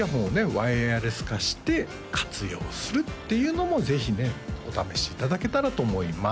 ワイヤレス化して活用するっていうのもぜひねお試しいただけたらと思います